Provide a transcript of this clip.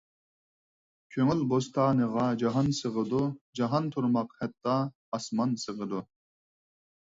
كۆڭۈل بوستانىغا جاھان سىغىدۇ، جاھان تۇرماق ھەتتا ئاسمان سىغىدۇ.